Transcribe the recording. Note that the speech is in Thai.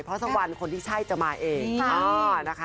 เพราะสักวันคนที่ใช่จะมาเองนะคะ